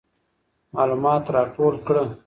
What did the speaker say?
معلومات راټول کړه.